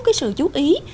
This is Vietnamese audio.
cái sự chú ý